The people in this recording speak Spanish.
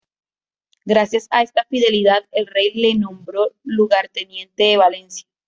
Gracias a esta fidelidad, el rey le nombró lugarteniente de Valencia.